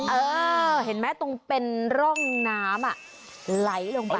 เออเห็นไหมตรงเป็นร่องน้ำไหลลงไป